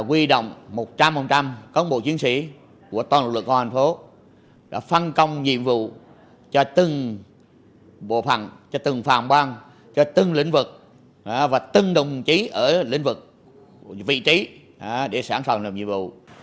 quy động một trăm linh các bộ chiến sĩ của toàn lực lực của thành phố đã phân công nhiệm vụ cho từng bộ phận cho từng phòng ban cho từng lĩnh vực và từng đồng chí ở lĩnh vực vị trí để sẵn sàng làm nhiệm vụ